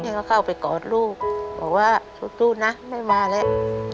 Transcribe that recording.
ก็เข้าไปกอดลูกบอกว่าสู้นะไม่มาแล้ว